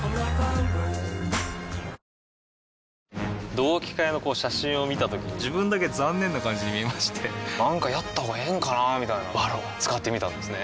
同期会の写真を見たときに自分だけ残念な感じに見えましてなんかやったほうがええんかなーみたいな「ＶＡＲＯＮ」使ってみたんですね